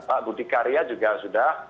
pak budi karya juga sudah